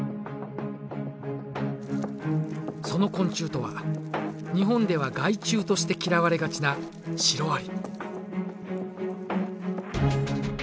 その昆虫とは日本では害虫として嫌われがちなシロアリ。